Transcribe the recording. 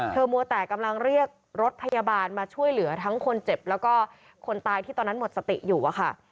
มัวแต่กำลังเรียกรถพยาบาลมาช่วยเหลือทั้งคนเจ็บแล้วก็คนตายที่ตอนนั้นหมดสติอยู่อะค่ะ